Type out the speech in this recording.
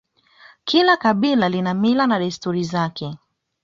Kila kabila lina mila na desturi zake